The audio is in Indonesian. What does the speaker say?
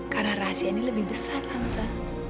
karena rahasia ini lebih besar antar